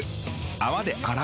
泡で洗う。